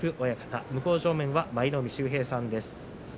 親方向正面は舞の海秀平さんです。